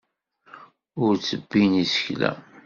Ur ttebbin isekla.